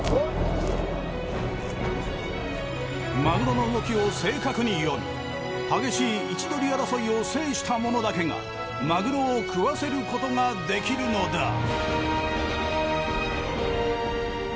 マグロの動きを正確に読み激しい位置取り争いを制した者だけがマグロを喰わせることができるのだ。